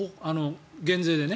減税でね。